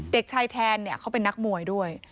เด็กชายแทนเขาเป็นนักมวยด้วย